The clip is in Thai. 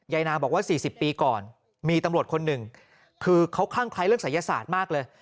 นานาบอกว่า๔๐ปีก่อนมีตำรวจคนหนึ่งคือเขาคลั่งคล้ายเรื่องศัยศาสตร์มากเลย